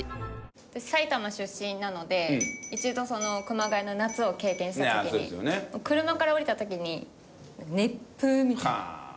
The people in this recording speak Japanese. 私埼玉出身なので一度熊谷の夏を経験した時に車から降りた時に熱風みたいな。